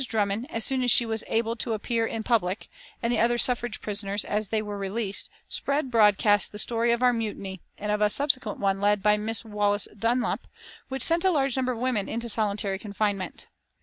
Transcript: Drummond, as soon as she was able to appear in public, and the other suffrage prisoners, as they were released, spread broadcast the story of our mutiny, and of a subsequent one led by Miss Wallace Dunlop, which sent a large number of women into solitary confinement.